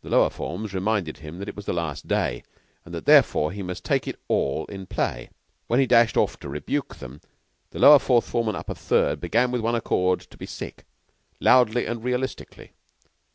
The lower forms reminded him that it was the last day, and that therefore he must "take it all in play." When he dashed off to rebuke them, the Lower Fourth and Upper Third began with one accord to be sick, loudly and realistically.